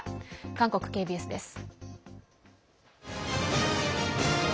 韓国ＫＢＳです。